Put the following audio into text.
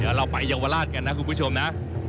เดี๋ยวเราไปเยาวราชกันนะคุณผู้ชมนะ